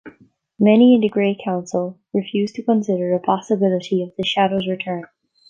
Many in the Gray Council refused to consider the possibility of the Shadows' return.